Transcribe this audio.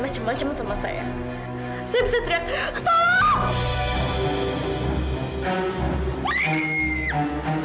ternyata kamu masih hidup ya